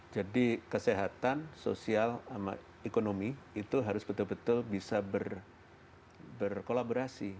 jadi kesehatan sosial ekonomi itu harus betul betul bisa berkolaborasi